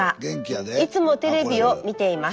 「いつもテレビを見ています。